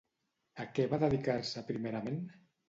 A què va dedicar-se primerament?